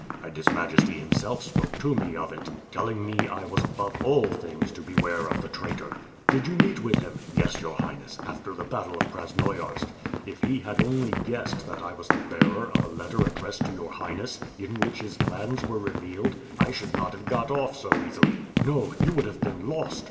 "And His Majesty himself spoke to me of it, telling me I was above all things to beware of the traitor." "Did you meet with him?" "Yes, your Highness, after the battle of Krasnoiarsk. If he had only guessed that I was the bearer of a letter addressed to your Highness, in which his plans were revealed, I should not have got off so easily." "No; you would have been lost!"